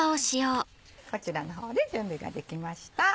こちらの方で準備ができました。